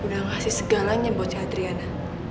udah ngasih segalanya buat cadriana